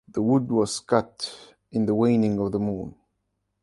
The wood was cut in the waning of the moon.